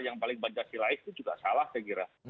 yang paling pancasilais itu juga salah saya kira